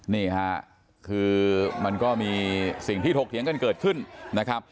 นี่ค่ะคือมันก็มีสิ่งที่ถกเถียงกันเกิดขึ้นนะครับ